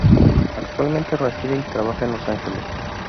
Actualmente reside y trabaja en Los Ángeles.